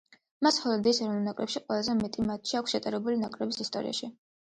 მას ჰოლანდიის ეროვნულ ნაკრებში ყველაზე მეტი მატჩი აქვს ჩატარებული ნაკრების ისტორიაში.